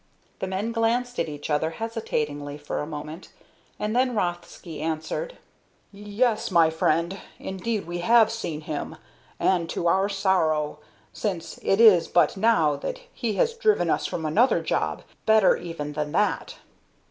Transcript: The men glanced at each other hesitatingly for a moment, and then Rothsky answered: "Yes, my friend, indeed we have seen him, and to our sorrow, since it is but now that he has driven us from another job, better even than that."